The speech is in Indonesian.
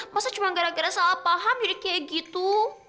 masa cuma gara gara salah paham jadi kayak gitu